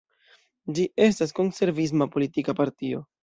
Ĝi estas konservisma politika partio.